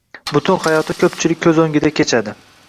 Butun hayoti koʻpchilik koʻz oʻngida kichadi.